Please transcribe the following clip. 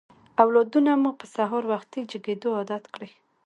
اولادونه مو په سهار وختي جګېدو عادت کړئ.